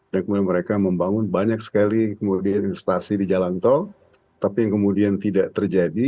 dan kemudian mereka membangun banyak sekali kemudian investasi di jalan tol tapi yang kemudian tidak terjadi